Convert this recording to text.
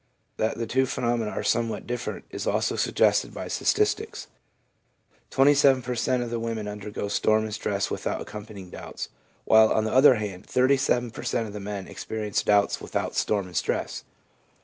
That the two phenomena are somewhat different is also suggested by the statistics. Twenty seven per cent, of women undergo storm and stress without accompanying doubts, while, on the other hand, 37 per cent, of the men experi ADOLESCENCE— DOUBT 241 ence doubts without storm and stress.